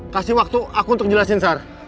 kasih waktu aku untuk jelasin sar